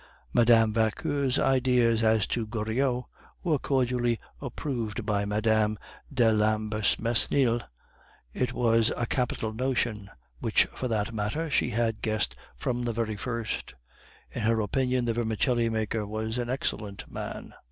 Mme. Vauquer's ideas as to Goriot were cordially approved by Mme. de l'Ambermesnil; it was a capital notion, which for that matter she had guessed from the very first; in her opinion the vermicelli maker was an excellent man.